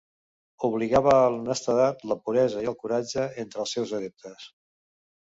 Obligava a l'honestedat, la puresa i el coratge entre els seus adeptes.